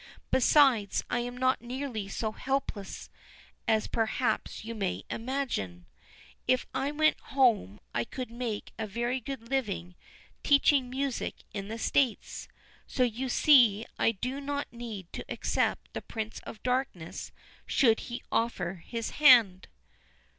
Besides, I am not nearly so helpless as perhaps you may imagine. If I went home I could make a very good living teaching music in the States. So you see I do not need to accept the Prince of Darkness should he offer his hand."